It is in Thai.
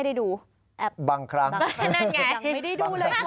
แอปไหมแอปไหมว่าไม่ได้ดู